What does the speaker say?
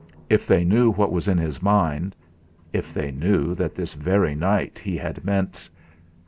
If they knew what was in his mind if they knew that this very night he had meant!